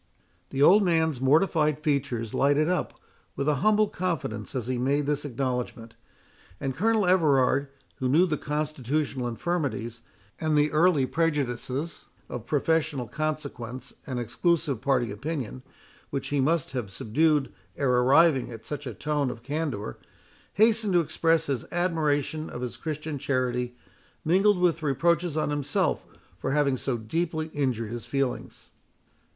The old man's mortified features lighted up with a humble confidence as he made this acknowledgment; and Colonel Everard, who knew the constitutional infirmities, and the early prejudices of professional consequence and exclusive party opinion, which he must have subdued ere arriving at such a tone of candour, hastened to express his admiration of his Christian charity, mingled with reproaches on himself for having so deeply injured his feelings.